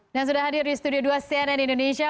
yang sudah hadir di studio dua cnn indonesia